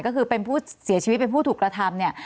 ก็คือเป็นผู้เสียชีวิตเป็นผู้ถูกกระทำเนี่ย